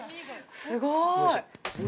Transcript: すごーい。